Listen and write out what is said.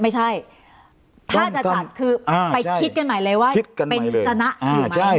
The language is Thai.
ไม่ใช่ถ้าจะจัดคืออ่าไปคิดกันใหม่เลยว่าคิดกันใหม่เลยเป็นจนะอ่าใช่